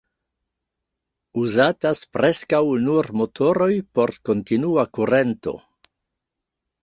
Uzatas preskaŭ nur motoroj por kontinua kurento.